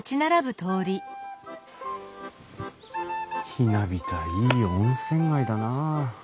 ひなびたいい温泉街だなあ。